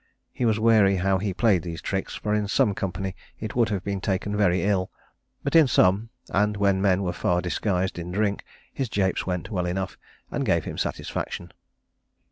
He was wary how he played these tricks, for in some company it would have been taken very ill; but in some, and when men were far disguised in drink, his japes went well enough, and gave him satisfaction.